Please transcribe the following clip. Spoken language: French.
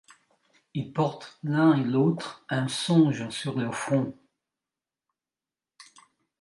Ils portent l’un et l’autre un songe sur leur front ;